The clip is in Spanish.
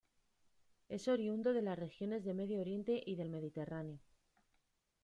Es oriundo de las regiones del Medio Oriente y del Mediterráneo.